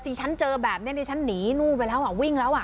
สิฉันเจอแบบนี้ฉันหนีนู่นไปแล้วอ่ะ